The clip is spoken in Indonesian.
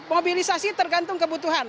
mobilisasi tergantung kebutuhan